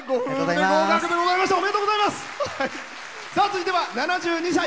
続いては７２歳。